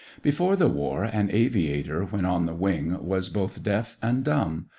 Before the war, an aviator when on the wing was both deaf and dumb.